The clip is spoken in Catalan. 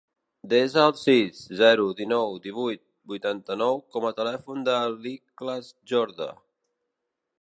Desa el sis, zero, dinou, divuit, vuitanta-nou com a telèfon de l'Ikhlas Jorda.